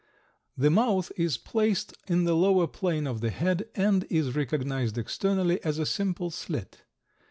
The mouth is placed in the lower plane of the head and is recognized externally as a simple slit.